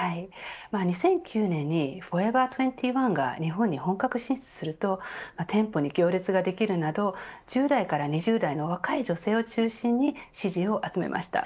２００９年にフォーエバー２１が日本に本格進出すると店舗に行列ができるなど１０代から２０代の若い女性を中心に支持を集めました。